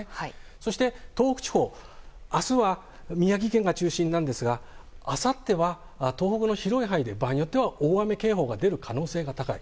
そして、東北地方明日は宮城県が中心なんですがあさっては、東北の広い範囲で場合によっては大雨警報が出る可能性が高い。